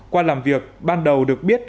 qua làm việc ban đầu được biết